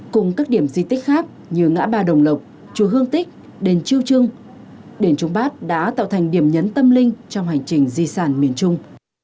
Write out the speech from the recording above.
cùng các điểm di tích khác như ngã ba đồng lộc chùa hương tích đền chiêu trưng đền trung bát đã tạo thành điểm nhấn tâm linh trong hành trình di sản miền trung